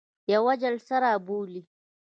یوه جلسه را بولي.